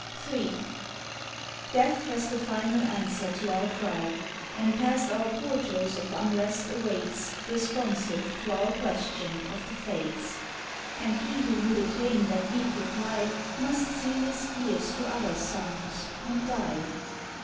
THREE SONNETS OF SLEEP III Death has the final answer to our cry, And past our portals of unrest awaits Responsive to our question of the Fates; And he who would attain that deep reply Must seal his ears to other sounds, and die.